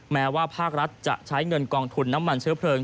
แม้ว่าภาครัฐจะใช้เงินกองทุนน้ำมันเชื้อเพลิง